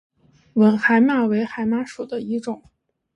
吻海马为海马属的一种。